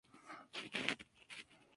Es visitado por unas al año.